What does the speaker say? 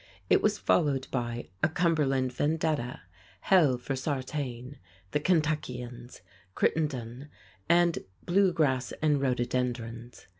It was followed by "A Cumberland Vendetta," "Hell for Sartain," "The Kentuckians," "Crittendon," and "Blue Grass and Rhododendrons."